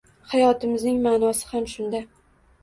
Hayotimizning ma’nosi ham shunda.